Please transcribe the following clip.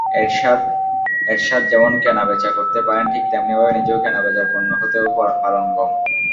এরশাদ যেমন কেনা-বেচা করতে পারেন, ঠিক তেমনিভাবে নিজেও কেনা-বেচার পণ্য হতেও পারঙ্গম।